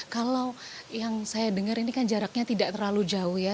kalau yang saya dengar ini kan jaraknya tidak terlalu jauh ya